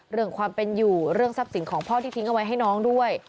เรื่องความเป็นอยู่เรื่องทรัพย์สินของพ่อที่ทิ้งเอาไว้ให้น้องด้วย